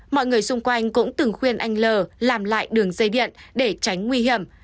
mọi người xung quanh cũng từng khuyên anh l làm lại đường dây điện để tránh nguy hiểm